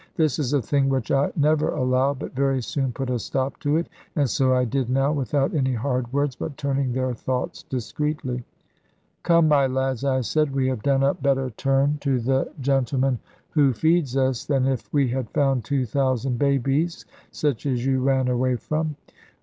This is a thing which I never allow, but very soon put a stop to it. And so I did now, without any hard words, but turning their thoughts discreetly. "Come, my lads," I said, "we have done a better turn to the gentleman who feeds us, than if we had found two thousand babies, such as you ran away from.